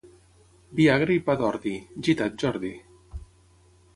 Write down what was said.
Vi agre i pa d'ordi, gita't, Jordi.